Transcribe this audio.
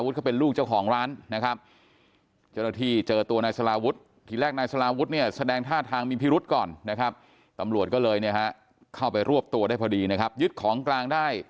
ถ้าจะได้อย่าไปทำ